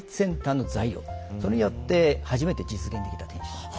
それによって初めて実現できた天守なんです。